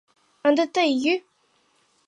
Ынде тый йӱ!